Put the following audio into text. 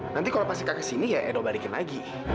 nanti kalau pas eka kesini ya edo balikin lagi